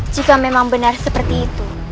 jika memang benar seperti itu